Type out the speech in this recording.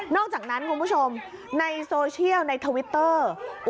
อกจากนั้นคุณผู้ชมในโซเชียลในทวิตเตอร์